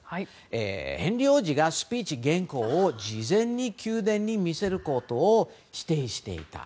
ヘンリー王子がスピーチ原稿を事前に宮殿に見せることを否定していた。